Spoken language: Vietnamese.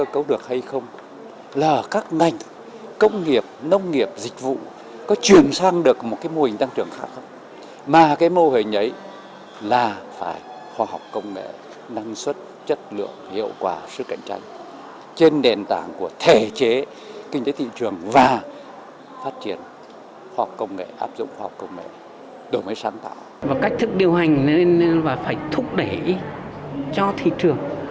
cách thức điều hành nên phải thúc đẩy cho thị trường